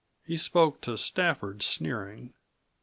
He spoke to Stafford, sneering.